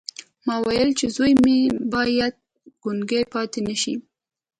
ما ویل چې زوی مې باید ګونګی پاتې نه شي